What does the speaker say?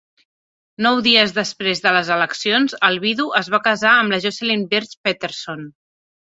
Nous dies després de les eleccions, el vidu es va casar amb la Jocelyn Birch Peterson.